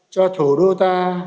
cho thủ đô ta